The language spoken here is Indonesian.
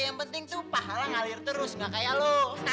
yang penting tuh pahala ngalir terus gak kayak lo